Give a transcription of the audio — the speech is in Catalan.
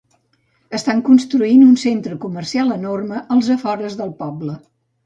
Estan construint un centre comercial enorme als afores del poble.